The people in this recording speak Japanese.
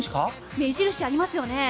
目印、ありますよね。